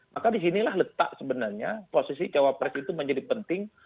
maka disinilah letak sebenarnya posisi cawapres itu menjadi penting